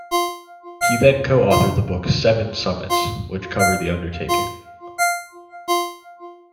He then co-authored the book "Seven Summits", which covered the undertaking.